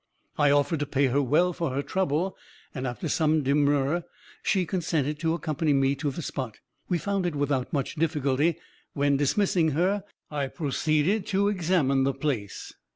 "I offered to pay her well for her trouble, and, after some demur, she consented to accompany me to the spot. We found it without much difficulty, when, dismissing her, I proceeded to examine the place.